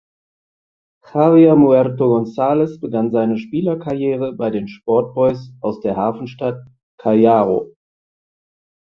Javier „Muerto“ Gonzales begann seine Spielerkarriere bei den Sport Boys aus der Hafenstadt Callao.